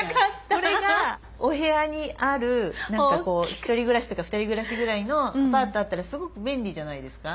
これがお部屋にある１人暮らしとか２人暮らしぐらいのアパートあったらすごく便利じゃないですか？